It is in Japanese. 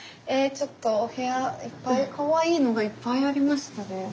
ちょっとお部屋いっぱいかわいいのがいっぱいありましたね。